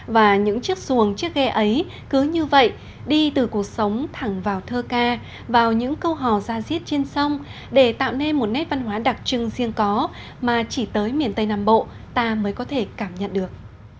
và những chiếc xuồng chiếc ghe ấy cứ như vậy đi từ cuộc sống thẳng vào thơ ca vào những câu hò ra diết trên sông để tạo nên một nét văn hóa đặc trưng riêng có mà chỉ tới miền tây nam bộ ta mới có thể cảm nhận được